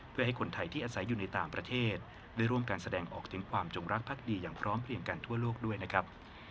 เพื่อให้คนไทยที่อาศัยอยู่ในต่างประเทศได้ร่วมการแสดงออกถึงความจงรักภักดีอย่างพร้อมเพลียงกันทั่วโลกด้วยนะครับ